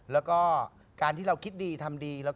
และการที่คิดดีทำดี